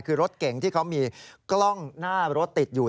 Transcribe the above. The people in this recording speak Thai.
คือรถเก่งที่เขามีกล้องหน้ารถติดอยู่